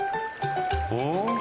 おっ？